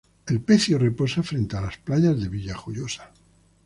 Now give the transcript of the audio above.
El pecio reposa frente a las playas de Villajoyosa.